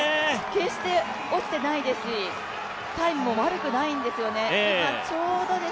決して落ちていないですし、タイムも悪くないんですよね。